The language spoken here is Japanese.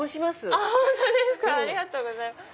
ありがとうございます。